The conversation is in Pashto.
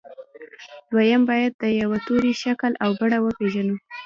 دويم بايد د يوه توري شکل او بڼه وپېژنو.